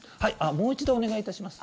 もう一度お願いいたします。